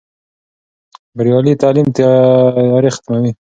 بریالی تعلیم تیارې ختموي.